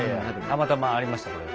たまたまありましたこれ。